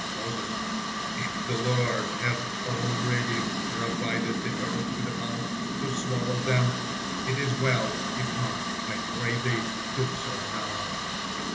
Moses: "If the Lord hath already provided the earth with a mouth to swallow them, it is well, if not, I pray Thee, do so now."